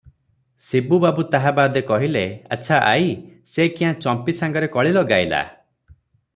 ଶିବୁ ବାବୁ ତାହା ବାଦେ କହିଲେ, "ଆଚ୍ଛା ଆଈ, ସେ କ୍ୟାଁ ଚମ୍ପୀ ସାଙ୍ଗରେ କଳି ଲଗାଇଲା?